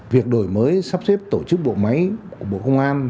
việc đổi mới sắp xếp tổ chức bộ máy của bộ công an